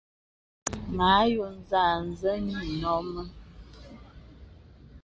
Mə àyɔ̄ɔ̄ zàà, zê yì nɔ̂ mə.